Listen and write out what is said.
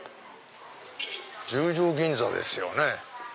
十条銀座ですよね。